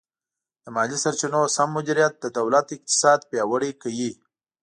د مالي سرچینو سم مدیریت د دولت اقتصاد پیاوړی کوي.